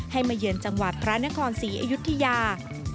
มาเยือนจังหวัดพระนครศรีอยุธยา